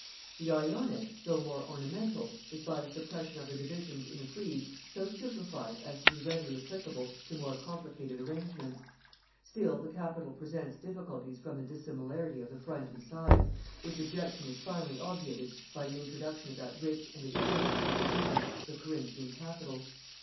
The Ionic, though more ornamental, is by the suppression of the divisions in the frieze so simplified as to be readily applicable to more complicated arrangements: still the capital presents difficulties from the dissimilarity of the front and sides; which objection is finally obviated by the introduction of that rich and exquisite composition, the Corinthian capital.